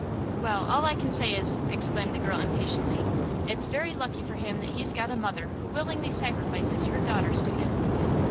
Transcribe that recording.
'Well, all I can say is,' exclaimed the girl impatiently, 'it's very lucky for him that he's got a mother who willingly sacrifices her daughters to him.